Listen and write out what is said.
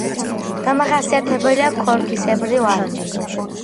დამახასიათებელია ქოლგისებრი ვარჯი.